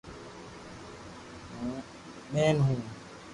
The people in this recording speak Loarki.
ھو ٻين ھون